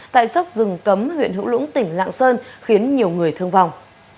tại dốc rừng cấm huyện hữu lũng tỉnh lạng sơn khiến nhiều người thương vong